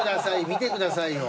見てくださいよ。